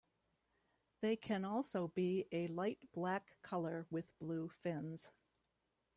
They can also be a light black color with blue fins.